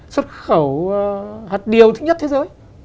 xuất khẩu hạt điều thứ nhất thế giới